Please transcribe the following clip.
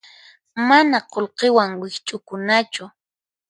Mana qullqiwan wikch'ukunachu.